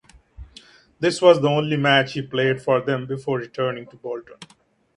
This was the only match he played for them before returning to Bolton.